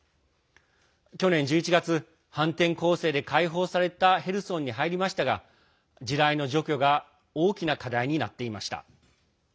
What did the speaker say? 去年１１月反転攻勢で解放されたヘルソンに入りましたが地雷の除去が大きな課題になっていました。